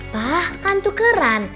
pak kan tuh keren